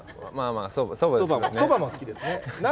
そばも好きですね。